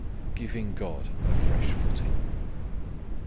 Giving God a Fresh Footing.